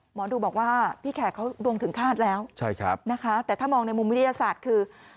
หมอดูบอกว่าพี่แขกเขาดวงถึงฆาตแล้วนะคะแต่ถ้ามองในมุมวิทยาศาสตร์คือ